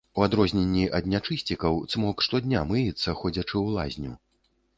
У адрозненні ад нячысцікаў цмок штодня мыецца, ходзячы ў лазню.